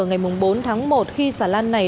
ngày bốn tháng một khi xà lan này